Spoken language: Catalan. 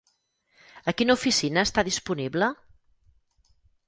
A quina oficina està disponible?